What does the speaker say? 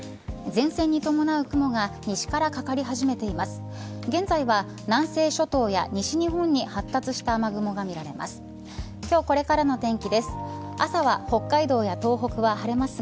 前線に伴う雲が西からかかり始めています。